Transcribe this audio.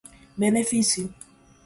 benefício